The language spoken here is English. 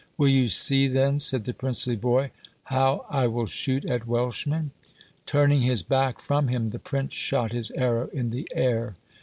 "Will you see, then," said the princely boy, "how I will shoot at Welshmen?" Turning his back from him, the prince shot his arrow in the air.